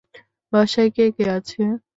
বাসায় কে কে আছে?